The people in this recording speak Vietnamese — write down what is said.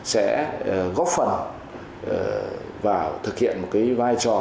sẽ góp phần vào thực hiện một cái vai trò